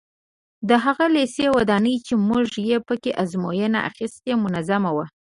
د هغه لېسې ودانۍ چې موږ په کې ازموینه اخیسته منظمه وه.